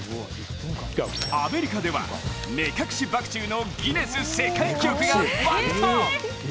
アメリカでは、目隠しバク宙のギネス世界記録が爆誕！